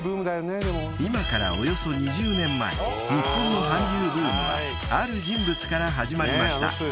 ［今からおよそ２０年前日本の韓流ブームはある人物から始まりました］